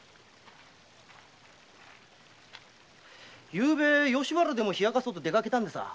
昨夜吉原でも冷やかそうと出かけたんでさ。